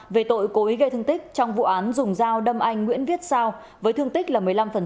về tội cố ý gây thương tích trong vụ án dùng dao đâm anh nguyễn viết sao với thương tích là một mươi năm